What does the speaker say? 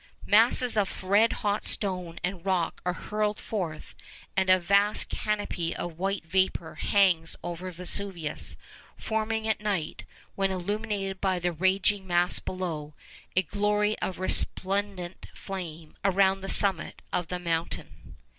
Masses of red hot stone and rock are hurled forth, and a vast canopy of white vapour hangs over Vesuvius, forming at night, when illuminated by the raging mass below, a glory of resplendent flame around the summit of the mountain.